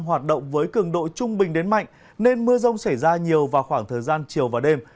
hoạt động với cường độ trung bình đến mạnh nên mưa rông xảy ra nhiều vào khoảng thời gian chiều và đêm